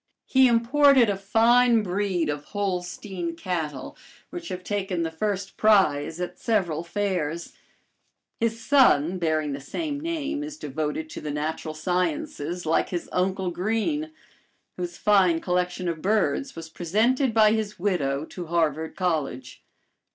He imported a fine breed of Holstein cattle, which have taken the first prize at several fairs. His son, bearing the same name, is devoted to the natural sciences, like his uncle Greene; whose fine collection of birds was presented by his widow to Harvard College.